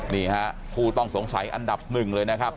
นี่ครับครูต้องสงสัยอันดับ๑เลยนะครับ